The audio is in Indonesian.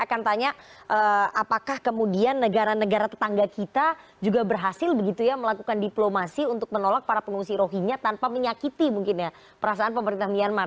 saya akan tanya apakah kemudian negara negara tetangga kita juga berhasil begitu ya melakukan diplomasi untuk menolak para pengungsi rohingya tanpa menyakiti mungkin ya perasaan pemerintah myanmar